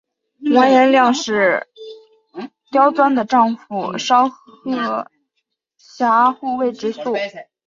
完颜亮使习拈的丈夫稍喝押护卫直宿。